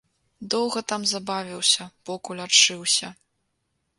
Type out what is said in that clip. Доўга там забавіўся, покуль адшыўся.